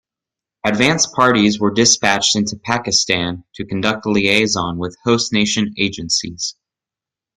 Advanced parties were dispatched into Pakistan to conduct liaison with host nation agencies.